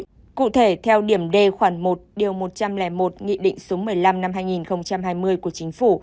cụ thể theo điểm d khoản một điều một trăm linh một nghị định số một mươi năm năm hai nghìn hai mươi của chính phủ